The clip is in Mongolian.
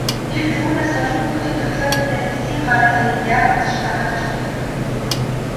Гэвч үүнээс хойш хүүхдийн тоглоом мэтээр эцгийн гарын аяыг яагаад ч дагаж чадахгүй.